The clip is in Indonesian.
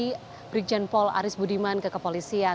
jadi brigjen pol aris buniman ke kepolisian